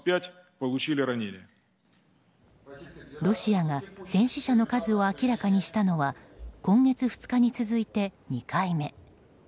ロシアが戦死者の数を明らかにしたのは今月２日に続いて２回目。